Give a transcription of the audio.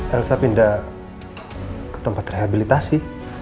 elsa pindah ke tempat rehabilitasi